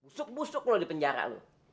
busuk busuk lo di penjara lo